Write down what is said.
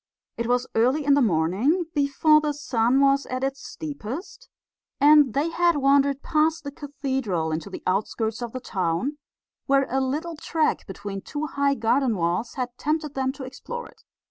It was early in the morning, before the sun was at its steepest, and they had wandered past the cathedral into the outskirts of the town, where a little track between two high garden walls had tempted them to explore it.